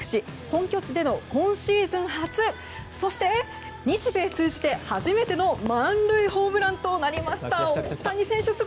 本拠地での今シーズン初そして日米通じて初めての満塁ホームランとなりました。